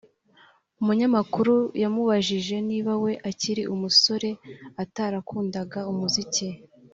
umunyamakuru yamubajije niba we akiri umusore atarakundaga umuziki